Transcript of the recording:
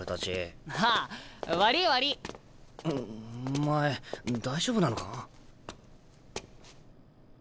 おお前大丈夫なのか？